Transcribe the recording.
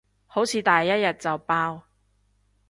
好似第一日就爆